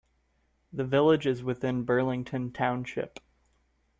The village is within Burlington Township.